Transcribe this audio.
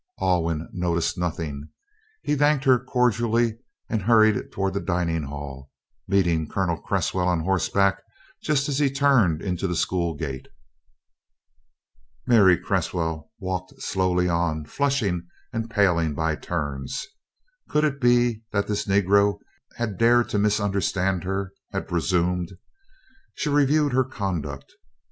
Alwyn noticed nothing. He thanked her cordially and hurried toward the dining hall, meeting Colonel Cresswell on horseback just as he turned into the school gate. Mary Cresswell walked slowly on, flushing and paling by turns. Could it be that this Negro had dared to misunderstand her had presumed? She reviewed her conduct.